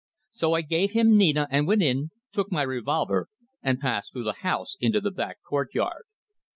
So I gave him Nina and went in, took my revolver, and passed through the house into the back courtyard.